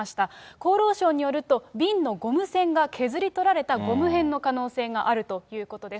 厚労省によると、瓶のゴム栓が削り取られたゴム片の可能性があるということです。